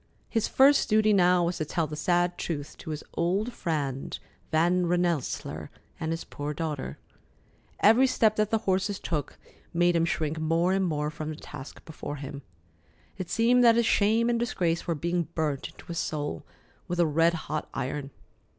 His first duty now was to tell the sad truth to his old friend Van Rensselaer and his poor daughter. Every step that the horses took made him shrink more and more from the task before him. It seemed that his shame and disgrace were being burnt into his soul with a red hot iron.